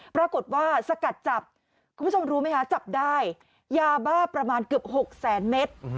ปรากฏว่าสกัดจับคุณผู้ชมรู้ไหมคะจับได้ยาบ้าประมาณเกือบ๖แสนเมตร